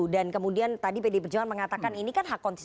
dan kemudian tadi pdi perjuangan mengatakan